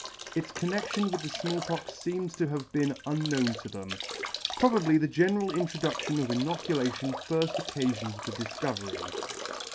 Its connedion with the Small Pox feems to have been unknown to them. Probably the general introdudion of inoculation fir ft occafioned the difcovery.